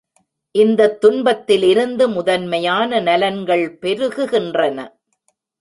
இந்தத் துன்பத்திலிருந்து முதன்மையான நலன்கள் பெருகுகின்றன.